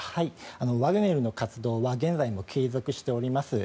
ワグネルの活動は現在も継続しております。